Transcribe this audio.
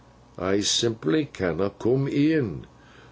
I simply canna coom in.